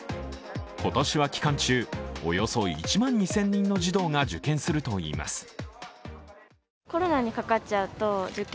今年は期間中、およそ１万２０００人の児童が受験するといいます。